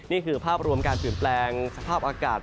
นี่คือภาพรวมการเปลี่ยนแปลงสภาพอากาศ